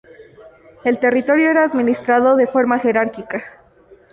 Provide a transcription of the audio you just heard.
El territorio era administrado de forma jerárquica.